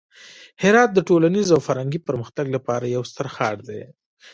هرات د ټولنیز او فرهنګي پرمختګ لپاره یو ستر ښار دی.